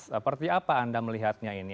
seperti apa anda melihatnya ini